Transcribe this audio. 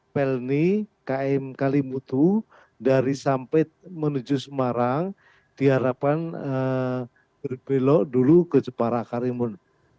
pelni km kalimutu dari sampai menuju semarang diharapkan berbelok dulu ke jepara karimun